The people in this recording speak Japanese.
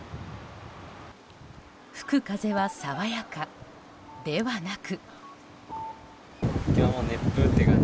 吹く風は爽やかではなく。